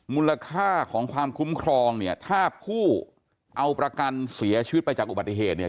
มูลค่าของความคุ้มครองเนี่ยถ้าผู้เอาประกันเสียชีวิตไปจากอุบัติเหตุเนี่ย